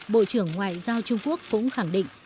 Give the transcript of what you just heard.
bộ trưởng ngoại giao trung quốc cũng khẳng định